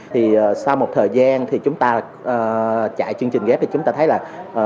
thì sau một thời gian thì chúng ta chạy chương trình ghép thì chúng ta thấy là